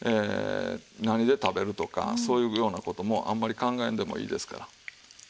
何で食べるとかそういうような事もあんまり考えんでもいいですから。